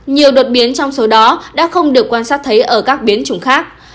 nhiều đột biến trong số đó đã không được quan sát thấy ở các biến chủng khác